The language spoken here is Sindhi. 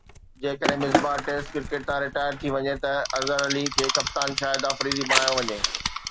جيڪڏهن مصباح ٽيسٽ ڪرڪيٽ تان رٽائر ٿي وڃي ته اظهر علي کي ڪپتان شاهد آفريدي بڻايو وڃي